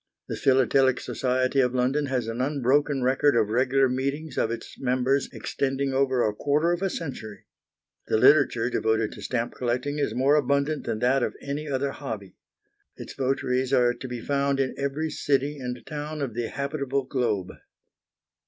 The Philatelic Society of London has an unbroken record of regular meetings of its members extending over a quarter of a century. The literature devoted to stamp collecting is more abundant than that of any other hobby. Its votaries are to be found in every city and town of the habitable globe.